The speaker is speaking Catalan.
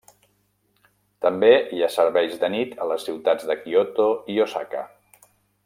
També hi ha serveis de nit a les ciutats de Kyoto i Osaka.